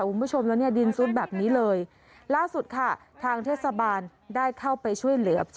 คุณผู้ชมแล้วเนี่ยดินซุดแบบนี้เลยล่าสุดค่ะทางเทศบาลได้เข้าไปช่วยเหลือ